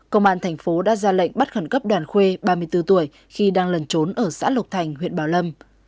công an tp đã ra lệnh bắt khẩn cấp đoàn khuê ba mươi bốn tuổi khi đang lần trốn ở xã lục thành huyện bảo lâm